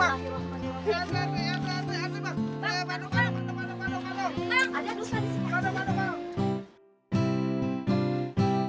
bandung bang bandung